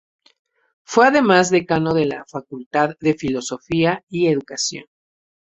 Fue además Decano de la Facultad de Filosofía y Educación.